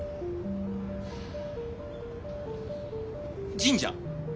神社。